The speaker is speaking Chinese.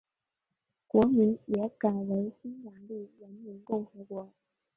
国名也改为匈牙利人民共和国。